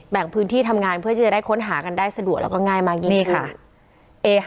แบ่งพื้นที่ทำงานเพื่อที่จะได้ค้นหากันได้สะดวกแล้วก็ง่ายมากยิ่งค่ะ